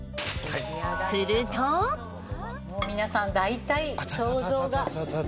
もう皆さん大体想像が。